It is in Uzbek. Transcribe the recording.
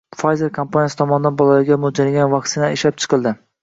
“Pfizer” kompaniyasi tomonidan bolalarga mo‘ljallangan vaksinalar ishlab chiqildi